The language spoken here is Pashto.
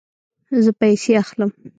زه پیسې اخلم